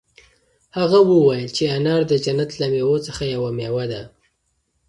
هغه وویل چې انار د جنت له مېوو څخه یوه مېوه ده.